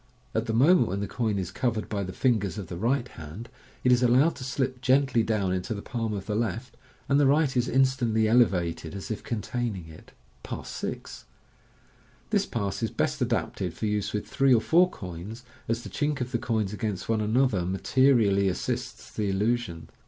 At the moment when the coin is covered by the fingers of the right hand, it is allowed to slip gently dowr: into the palm of the left, and the right is instantly elevated as if containing it. Pass 6. — This pass is best adapted for use with three or four coins, as the chink of the coins against one another ma* terially assists the illusion.